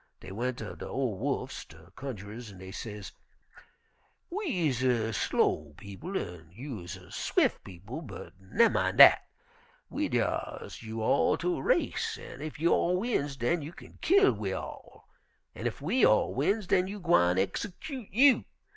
Dey went ter de ol' wolfs, de cunjerers, an' dey ses: 'We is a slow people an' you is a swif people, but nemmine dat, we dyar's you all to a race, an' ef you all wins, den you kin kill we all; an' ef we all wins, den we gwine exescoot you.